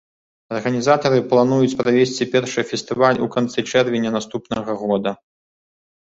Арганізатары плануюць правесці першы фестываль у канцы чэрвеня наступнага года.